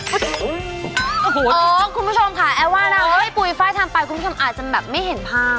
โอ้โหคุณผู้ชมค่ะแอว่านะปุ๋ยไฟล์ทำไปคุณผู้ชมอาจจะแบบไม่เห็นภาพ